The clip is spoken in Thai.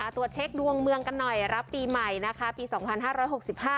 ตรวจเช็คดวงเมืองกันหน่อยรับปีใหม่นะคะปีสองพันห้าร้อยหกสิบห้า